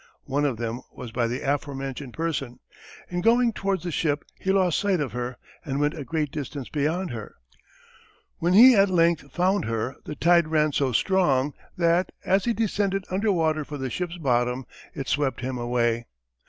One of them was by the aforementioned person. In going towards the ship he lost sight of her, and went a great distance beyond her. When he at length found her the tide ran so strong that, as he descended under water for the ship's bottom, it swept him away.